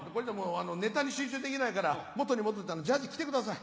ネタに集中できないから元に戻ってジャージー着てください。